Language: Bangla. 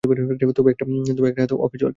তবে, একটা হাত অকেজো আরকি।